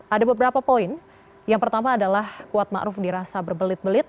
ada beberapa poin yang pertama adalah kuat ma'ruf dirasa berbelit belit